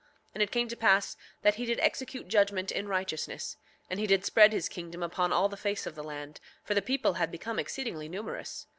7:11 And it came to pass that he did execute judgment in righteousness; and he did spread his kingdom upon all the face of the land, for the people had become exceedingly numerous.